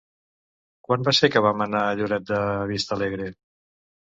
Quan va ser que vam anar a Lloret de Vistalegre?